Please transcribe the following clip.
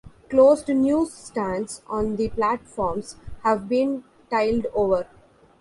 Closed newsstands on the platforms have been tiled over.